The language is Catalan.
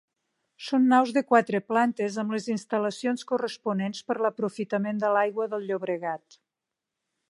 Són naus de quatre plantes amb les instal·lacions corresponents per l'aprofitament de l'aigua del Llobregat.